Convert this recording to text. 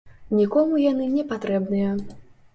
Нікому яны не патрэбныя.